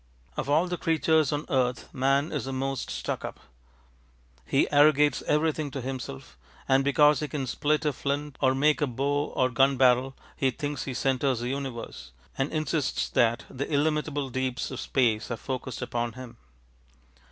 Of all the creatures on earth man is the most stuck up. He arrogates everything to himself and because he can split a flint or make a bow or gun barrel he thinks he centres the universe, and insists that the illimitable deeps of space are focused upon him.